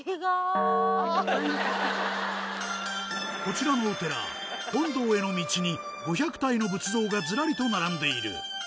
こちらのお寺本堂への道に５００体の仏像がずらりと並んでいる